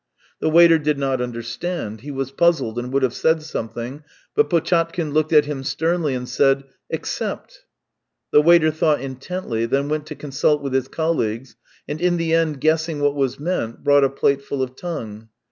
The waiter did not understand; he was puzzled, and would have said something, but Potchatkin looked at him sternly and said: Except." The waiter thought intently, then went to consult with his colleagues, and in the end guessing what was meant, brought a plateful of tongue.